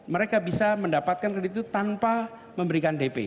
mereka bisa mendapatkan kredit itu tanpa memberikan dp